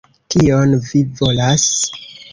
Kion vi volas?